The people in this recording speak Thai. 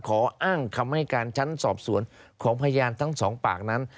ขออ้างคำให้การชั้นสอบสวนของพยานทั้งสองปากนั้น